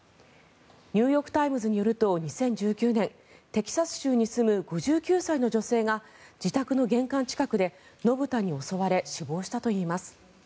ニューヨーク・タイムズによると２０１９年テキサス州に住む５９歳の女性が自宅の玄関近くで野豚に襲われ死亡したといいます。